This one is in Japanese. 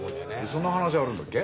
そんな話あるんだっけ？